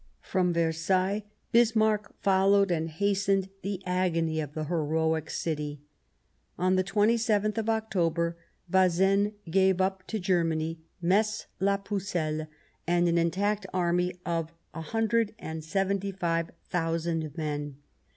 From Versailles Bismarck followed and hastened the agony of the heroic city. On the 27th of October Bazaine gave up to Germany Metz la Pucelle and an intact army of a hundred and seventy five thou sand men.